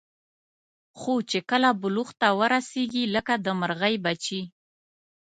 خو چې کله بلوغ ته ورسېږي لکه د مرغۍ بچي.